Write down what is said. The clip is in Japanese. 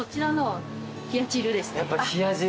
やっぱ冷や汁。